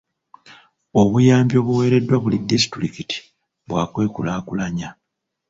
Obuyambi obuweereddwa buli disitulikiti bwa kwekulaakulanya.